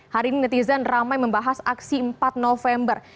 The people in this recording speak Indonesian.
hari ini netizen ramai membahas aksi empat november